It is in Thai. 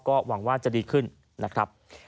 ก็หวังว่าจะดีขึ้นนะครับ